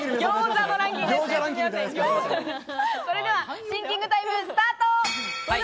それではシンキングタイム、スタート！